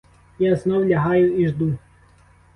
Я знов лягаю і жду.